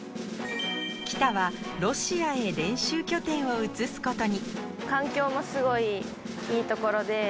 喜田はロシアへ練習拠点を移すことに。